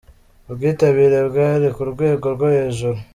Ubwitabire bwari ku rwego rwo hejuru.